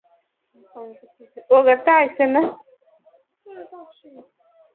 পাকিস্তানের পাঞ্জাব প্রদেশের গভর্নর সালমান তাসিরের হত্যাকারী মুমতাজ কাদরির ফাঁসি কার্যকর করা হয়েছে।